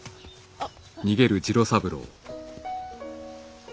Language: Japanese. あっ。